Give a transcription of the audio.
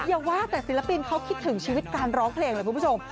อย่าว่าแต่ศิลปินเขาคิดถึงชีวิตการร้องเพลงเลยคุณผู้ชม